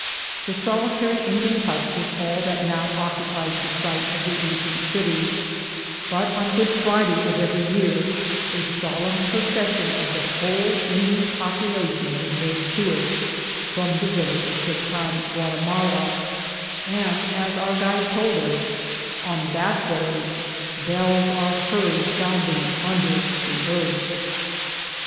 The sol itary Indian hut is all that now occupies the site of the ancient city ; but on Good Friday of every year a sol emn procession of the whole Indian population is made to it from the village of Tecpan Guatimala, and, as our guide told us, on that day bells are heard sounding un der the earth.